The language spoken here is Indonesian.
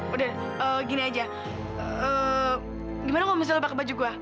udah gini aja gimana kalau misalnya lebak baju gue